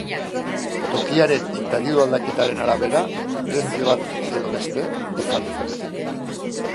Tokiaren eta diru aldaketaren arabera, prezio bat edo beste izan dezakete.